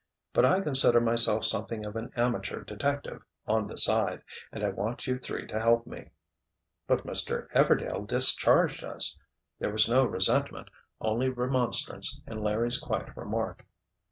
But I consider myself something of an amateur detective 'on the side' and I want you three to help me." "But Mr. Everdail 'discharged' us." There was no resentment, only remonstrance, in Larry's quiet remark.